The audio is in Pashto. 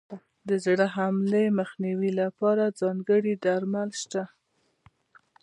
د زړه حملې مخنیوي لپاره ځانګړي درمل شته.